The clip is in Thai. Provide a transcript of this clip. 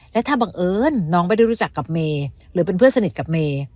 และถ้าบังเอิญน้องไม่ได้รู้จักกับเมย์หรือเป็นเพื่อนสนิทกับเมย์